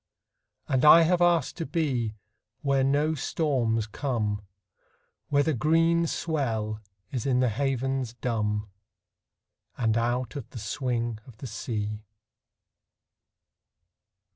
And I have asked to be Where no storms come, Where the green swell is in the havens dumb, And out of the swing of the sea.